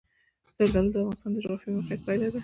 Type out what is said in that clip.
زردالو د افغانستان د جغرافیایي موقیعت پایله ده.